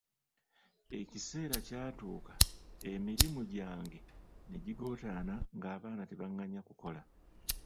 Ekiseera kyatuuka emirimu gyange ne gigootaana ng'abaana tebanganya kukola.